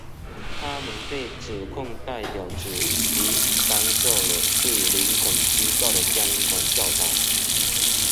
他们被指控代表主席干涉了对林肯机构的监管调查。